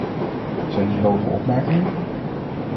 Zijn hierover opmerkingen?